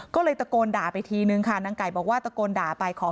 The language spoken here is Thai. ก็เลยตะโกนด่าไปทีนึงค่ะนางไก่บอกว่าตะโกนด่าไปขอ